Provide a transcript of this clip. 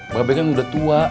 mbak be kan udah tua